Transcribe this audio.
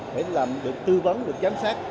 để làm được tư vấn được chám sát